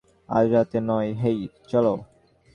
আজ রাতে নয় হেই, চলো।